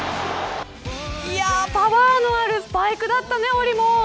パワーのあるスパイクだったねほりもん。